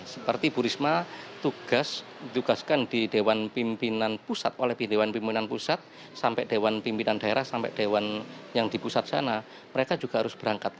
seperti bu risma tugaskan di dewan pimpinan pusat oleh dewan pimpinan pusat sampai dewan pimpinan daerah sampai dewan yang di pusat sana mereka juga harus berangkat